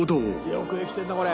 よくできてるなこれ。